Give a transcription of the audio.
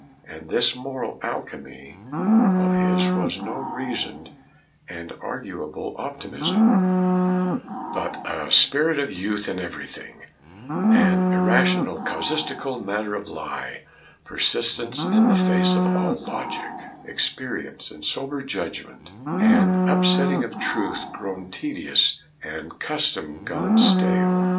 And this moral alchemy of his was no reasoned and arguable optimism, but a 'spirit of youth in everything,' an irrational, casuistical, 'matter of lie' persistence in the face of all logic, experience, and sober judgment; an upsetting of truth grown tedious and custom gone stale.